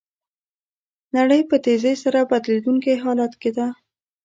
نړۍ په تېزۍ سره بدلیدونکي حالت کې ده.